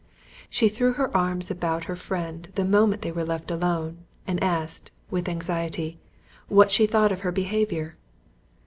She threw her arms about her friend the moment they were left alone, and asked, with anxiety, "What she thought of her behaviour?"